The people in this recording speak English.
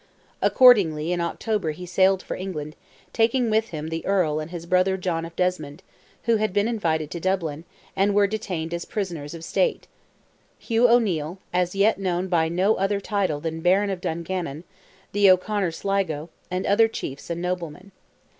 Accordingly in October he sailed for England, taking with him the Earl and his brother John of Desmond, who had been invited to Dublin, and were detained as prisoners of State; Hugh O'Neil, as yet known by no other title than Baron of Dungannon; the O'Conor Sligo, and other chiefs and noblemen.